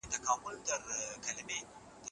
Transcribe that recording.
راځئ چي خپل تاریخ په دقت سره ولولو.